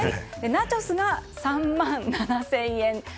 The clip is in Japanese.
ナチョスが３万７０００円。